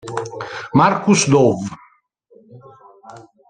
Marcus Dove